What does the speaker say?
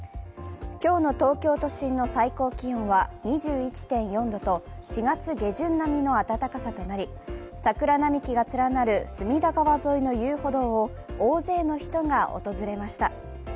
今日の東京都心の最高気温は２１．４度と、４月下旬並みの暖かさとなり、桜並木が連なる隅田川沿いの遊歩道を大勢の人が訪れました。